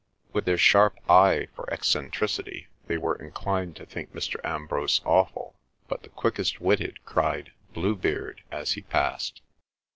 With their sharp eye for eccentricity, they were inclined to think Mr. Ambrose awful; but the quickest witted cried "Bluebeard!" as he passed.